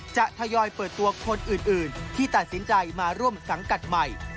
ทยอยเปิดตัวคนอื่นที่ตัดสินใจมาร่วมสังกัดใหม่